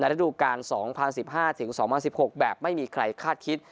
ระดูการ๒๐๑๕ถึง๒๐๑๖แบบไม่มีใครคาดคิด